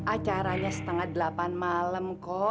acaranya setengah delapan malam kok